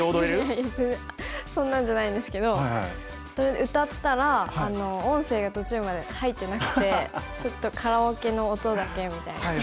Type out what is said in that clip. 全然そんなんじゃないんですけど。それで歌ったら音声が途中まで入ってなくてちょっとカラオケの音だけみたいに。